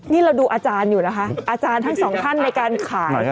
นี่เราดูอาจารย์อยู่เหรอคะอาจารย์ทั้งสองท่านในการขาย